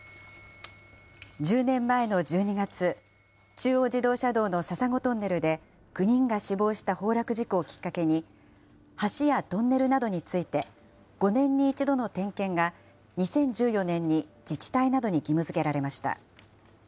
１０年前の１２月、中央自動車道の笹子トンネルで９人が死亡した崩落事故をきっかけに、橋やトンネルなどについて、５年に１度の点検が、２０１４年に自治体などに義務づけられました。